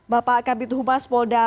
bapak kabit huma spolda